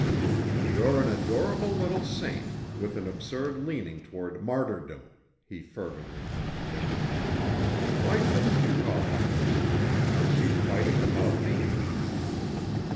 "You're an adorable little saint, with an absurd leaning toward martyrdom," he fervently contradicted. "Why shouldn't you call on me? Aren't you fighting about me?"